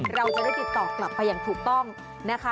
เราจะได้ติดต่อกลับไปอย่างถูกต้องนะคะ